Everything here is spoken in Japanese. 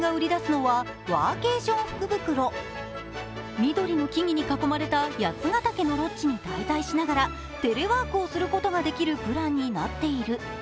緑の木々に囲まれた八ヶ岳のロッジに滞在しながらテレワークをすることができるプランになっている。